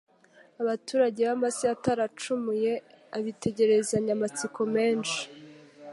Abaturage b'amasi ataracumuye bitegerezanyaga amatsiko menshi